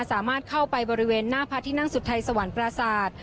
สามารถเข้าไปบริเวณหน้าพาที่นั่งสุดไทยสวรรค์ประสาท